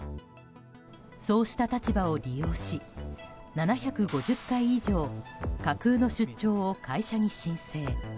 そうした立場を利用し７５０回以上架空の出張を会社に申請。